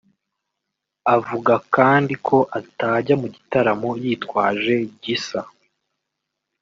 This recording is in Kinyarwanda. Avuga kandi ko atajya mu gitaramo yitwaje Gisa